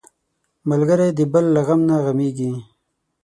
ملګری د بل له غم نه غمېږي